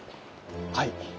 はい。